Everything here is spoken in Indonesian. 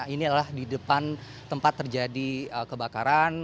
ini adalah di depan tempat terjadi kebakaran